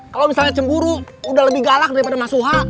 kalau misalnya cemburu udah lebih galak daripada mas suha